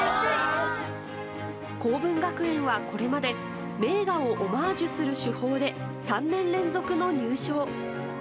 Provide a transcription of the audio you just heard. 好文学園はこれまで、名画をオマージュする手法で、３年連続の入賞。